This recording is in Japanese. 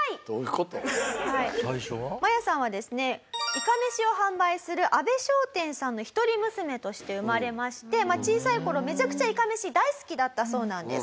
いかめしを販売する阿部商店さんの一人娘として生まれまして小さい頃めちゃくちゃいかめし大好きだったそうなんです。